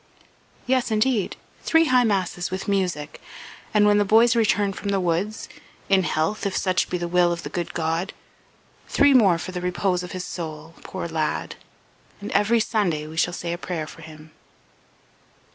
"Yes indeed. Three high masses with music, and when the boys return from the woods in health, if such be the will of the good God three more for the repose of his soul, poor lad! And every Sunday we shall, say a prayer for him."